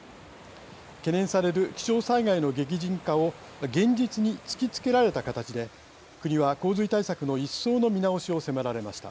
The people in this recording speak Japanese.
懸念される気象災害の激甚化を現実に突きつけられたかたちで国は洪水対策の一層の見直しを迫られました。